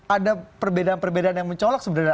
ada perbedaan perbedaan yang mencolok sebenarnya